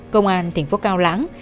công an tp cao lãnh